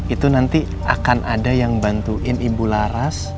itu nanti akan ada yang bantuin ibu laras